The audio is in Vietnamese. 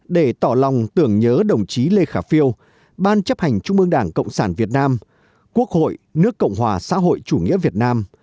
để tỏ lòng tưởng nhớ đồng chí lê khả phiêu ban chấp hành trung ương đảng cộng sản việt nam quốc hội nước cộng hòa xã hội chủ nghĩa việt nam